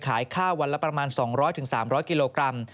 ขายข้าววันละประมาณ๒๐๐๓๐๐กิโลกรัม